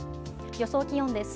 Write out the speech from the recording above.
予想気温です。